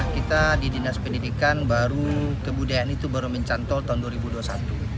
kita di dinas pendidikan baru kebudayaan itu baru mencantol tahun dua ribu dua puluh satu